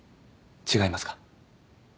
違いますか？